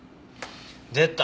出た。